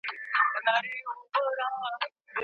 انلاين درسونه زده کوونکو ته د سبق تکرار فرصت ورکړ.